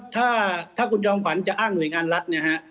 ถ้าคุณยองฝันจะอ้างหน่วยงานรัฐ